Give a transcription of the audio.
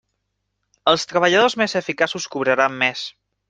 Els treballadors més eficaços cobraran més.